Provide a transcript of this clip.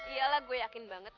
iya lah gue yakin banget